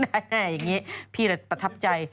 แม่แม่พี่เลยประทับใจ